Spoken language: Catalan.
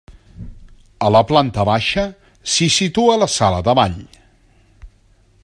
A la planta baixa s'hi situa la sala de ball.